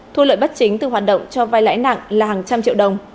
thu lợi bất chính từ hoạt động cho vai lãi nặng là hàng trăm triệu đồng